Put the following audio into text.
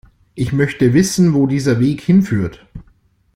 Ich möchte wissen, wo dieser Weg hinführt.